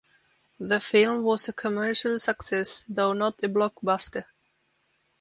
The film was a commercial success, though not a blockbuster.